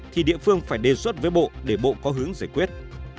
thì địa phương phải đề xuất với bộ để bộ có hướng giải quyết